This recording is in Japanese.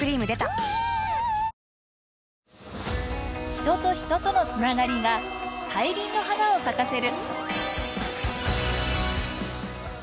人と人との繋がりが大輪の花を咲かせる。